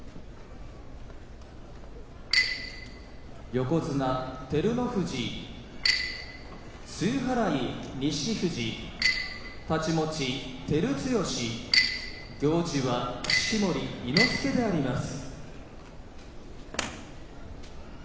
横綱、照ノ富士露払い、錦木太刀持ち照強行司は式守伊之助であります。